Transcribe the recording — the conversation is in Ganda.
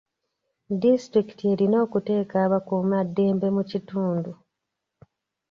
Disitulikiti erina okuteeka abakuumaddembe mu kitundu.